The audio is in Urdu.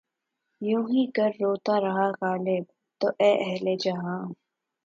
یوں ہی گر روتا رہا غالب! تو اے اہلِ جہاں